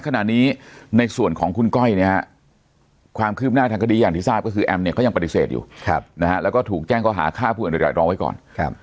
ในส่วนของคุณก้อยความคลิบหน้ากับดิหกหยั่งที่ทราบก็คือแอมเนี่ยเขายังปฏิเสธอยู่นะแล้วก็ถูกแจ้งก้าวหาค่าผู้อ่านอยากร้องไว้ก่อน